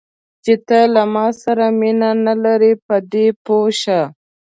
چې ته له ما سره مینه نه لرې، په دې پوه شه.